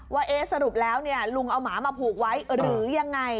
ว่าสรุปแล้วลุงเอาหมามาผูกไว้หรือยังไง